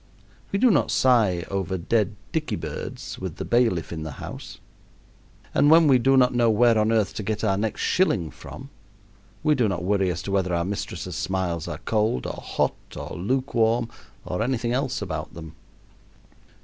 We do not sigh over dead dicky birds with the bailiff in the house, and when we do not know where on earth to get our next shilling from, we do not worry as to whether our mistress' smiles are cold, or hot, or lukewarm, or anything else about them.